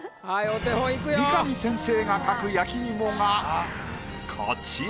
三上先生が描く焼き芋がこちら。